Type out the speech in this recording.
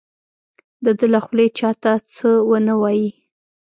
د ده له خولې چا ته څه ونه وایي.